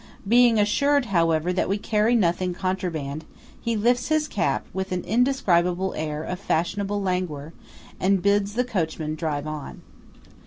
Being assured, however, that we carry nothing contraband, he lifts his cap with an indescribable air of fashionable languor, and bids the coachman drive on.